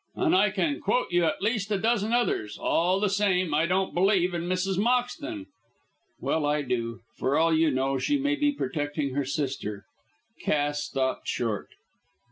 And I can quote you at least a dozen others. All the same, I don't believe in Mrs. Moxton." "Well, I do. For all you know she may be protecting her sister." Cass stopped short.